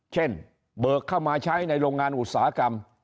เบิกเข้ามาใช้ในโรงงานอุตสาหกรรม